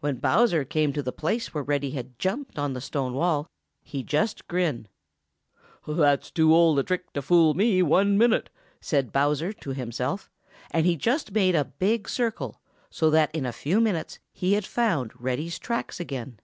When Bowser came to the place where Reddy had jumped on the stone wall, he just grinned. "That's too old a trick to fool me one minute," said Bowser to himself, and he just made a big circle, so that in a few minutes he had found Reddy's tracks again.